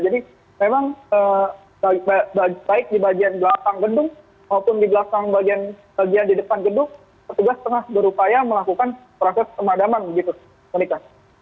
jadi memang baik di bagian belakang gedung maupun di belakang bagian di depan gedung petugas tengah berupaya melakukan proses pemadaman gitu monika